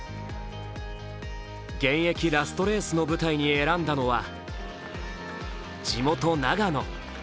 現役ラストレースの舞台に選んだのは地元・長野。